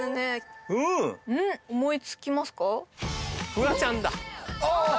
フワちゃんだああ！